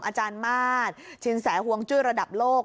อาจารย์มาสชินแสห่วงจุ้ยระดับโลก